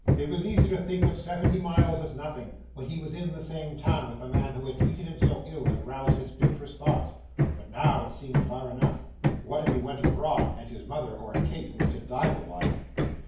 It was easy to think of seventy miles as nothing, when he was in the same town with the man who had treated him so ill and roused his bitterest thoughts; but now, it seemed far enough. What if he went abroad, and his mother or Kate were to die the while?